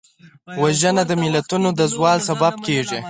وژنه د ملتونو د زوال سبب کېږي